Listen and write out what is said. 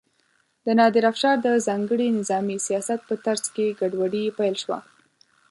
د نادر افشار د ځانګړي نظامي سیاست په ترڅ کې ګډوډي پیل شوه.